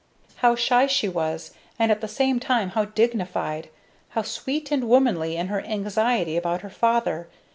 How shy she was, and at the same time how dignified; how sweet and womanly in her anxiety about her father!